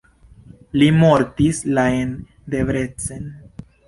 Li mortis la en Debrecen.